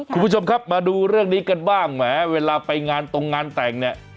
คุณผู้ชมครับมาดูเรื่องนี้กันบ้างแหมเวลาไปงานตรงงานแต่งเนี่ย